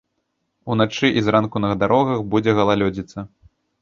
Уначы і зранку на дарогах будзе галалёдзіца.